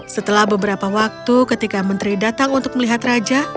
setelah beberapa waktu ketika menteri datang untuk melihat raja